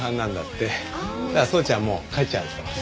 だから宗ちゃんもう帰っちゃうの。